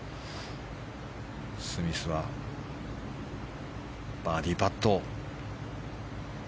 スミスはバーディーパット。